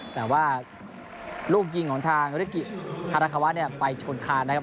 แต่ว่าลูกยิงของทางริกิฮาราคาวะเนี่ยไปชนคานนะครับ